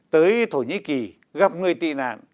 tới thổ nhĩ kỳ gặp người tị nạn